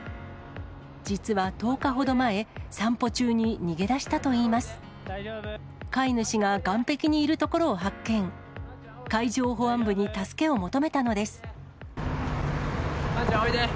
実は１０日ほど前、散歩中に逃げ出したといいます。